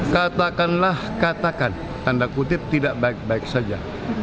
katakanlah katakan tanda kutip tidak baik baik saja